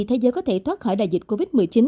thế giới có thể thoát khỏi đại dịch covid một mươi chín